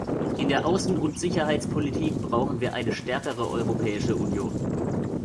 In der Außen- und Sicherheitspolitik brauchen wir eine stärkere Europäische Union.